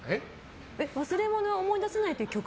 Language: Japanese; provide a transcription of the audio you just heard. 忘れ物は思い出せないって違う！